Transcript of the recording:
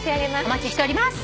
お待ちしております。